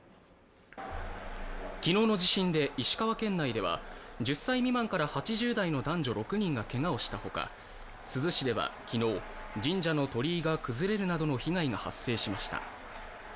昨日の地震で石川県内では１０歳未満から８０代の男女６人がけがをしたほか珠洲市では昨日、神社の鳥居が崩れるなどの被害が発生しました。